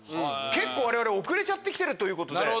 結構われわれ遅れちゃって来てるということで。